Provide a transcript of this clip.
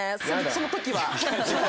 その時は。